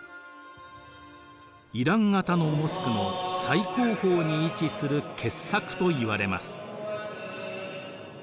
イラン型のモスクの最高峰に位置する傑作といわれます。